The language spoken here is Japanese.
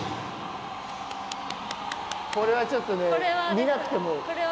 これはちょっとね、見なくても。